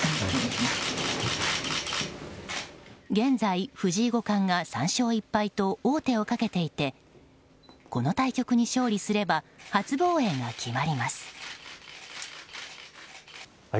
現在、藤井五冠が３勝１敗と王手をかけていてこの対局に勝利すれば初防衛が決まります。